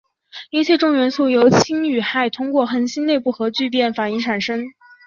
一切重元素由氢与氦通过恒星内部核聚变反应产生。